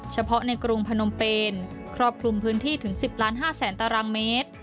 เฉพาะในกรุงพนมเปนครอบคลุมพื้นที่ถึง๑๐ล้าน๕แสนตารางเมตร